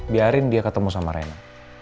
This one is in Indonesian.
biarin dia ketemu sama rena